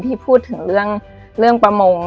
ที่พูดถึงเรื่องประมง